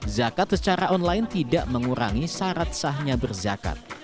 zakat secara online tidak mengurangi syarat sahnya berzakat